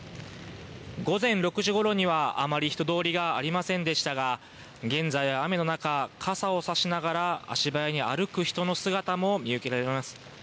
午前６時ごろにはあまり人通りがありませんでしたが、現在は雨の中、傘を差しながら、足早に歩く人の姿も見受けられます。